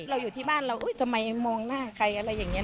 อยู่ที่บ้านเราทำไมมองหน้าใครอะไรอย่างนี้